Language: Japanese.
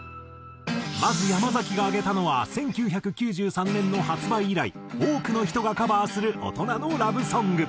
まず山崎が挙げたのは１９９３年の発売以来多くの人がカバーする大人のラブソング。